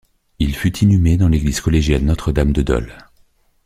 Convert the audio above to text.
Il fut inhumé dans l’église collégiale Notre-Dame de Dole.